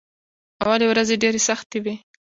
اولې ورځې ډېرې سختې وې.